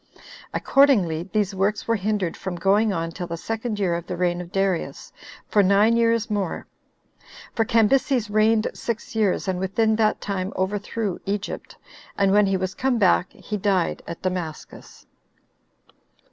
Accordingly, these works were hindered from going on till the second year of the reign of Darius, for nine years more; for Cambyses reigned six years, and within that time overthrew Egypt, and when he was come back, he died at Damascus.